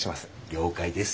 了解です。